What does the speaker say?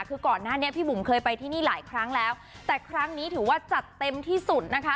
คือก่อนหน้านี้พี่บุ๋มเคยไปที่นี่หลายครั้งแล้วแต่ครั้งนี้ถือว่าจัดเต็มที่สุดนะคะ